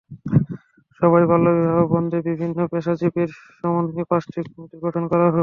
সভায় বাল্যবিবাহ বন্ধে বিভিন্ন পেশাজীবীর সমন্বয়ে পাঁচটি কমিটি গঠন করা হয়।